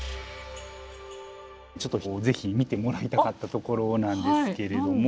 ちょっとぜひ見てもらいたかったところなんですけれども。